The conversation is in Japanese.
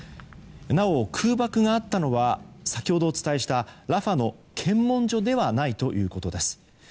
なお空爆があったのは先ほどお伝えしたラファの検問所ではないということです。